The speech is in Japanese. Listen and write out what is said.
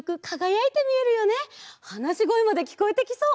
はなしごえまできこえてきそう！